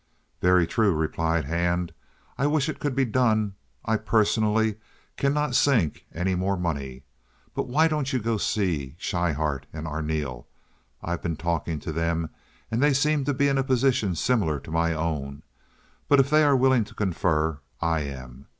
"Very true," replied Hand. "I wish it could be done. I, personally, cannot sink any more money. But why don't you go and see Schryhart and Arneel? I've been talking to them, and they seem to be in a position similar to my own; but if they are willing to confer, I am.